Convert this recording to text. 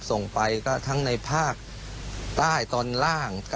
ส่งไปก็ทั้งในภาคใต้ตอนล่าง